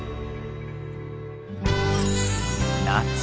夏。